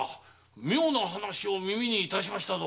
妙な話を耳にいたしましたぞ。